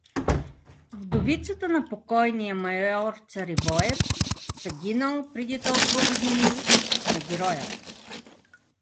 — Вдовицата на покойния майор Царивоев, загинал преди толкова години… — На героя?